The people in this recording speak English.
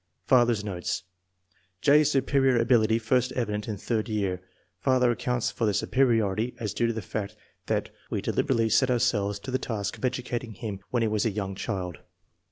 Father's notes. J.'s superior ability first evident in third year. Father accounts for the superiority as " due to the fact that we deliberately set ourselves to the task of educating him when he was a young child.